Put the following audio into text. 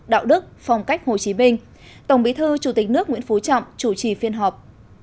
đạo đức phong cách hồ chí minh tổng bí thư chủ tịch nước nguyễn phú trọng chủ trì phiên họp